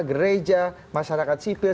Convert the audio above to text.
gereja masyarakat sipil